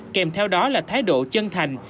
kèm theo đó là thái độ chân thành